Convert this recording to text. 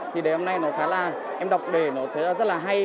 thì đề năm nay nó khá là em đọc đề nó rất là hay